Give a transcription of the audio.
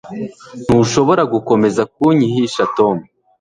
Ntushobora gukomeza kunyihisha Tom